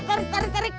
tarik tarik tarik